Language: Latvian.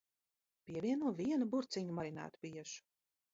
Pievieno vienu burciņu marinētu biešu.